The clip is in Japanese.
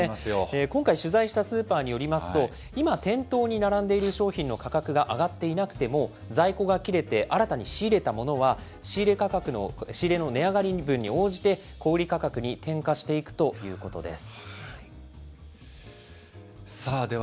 今回、取材したスーパーによりますと、今、店頭に並んでいる商品の価格が上がっていなくても、在庫が切れて、新たに仕入れたものは、仕入れの値上がり分に応じて、小売り価格に転嫁していくということです。